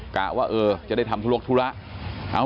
กะว่าเออจะได้ทำธุรกธุระ